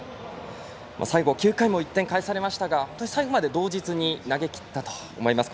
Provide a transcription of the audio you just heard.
最後、９回も１点返されましたが最後まで動じずに投げきったと思います。